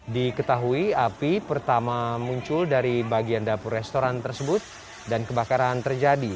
diketahui api pertama muncul dari bagian dapur restoran tersebut dan kebakaran terjadi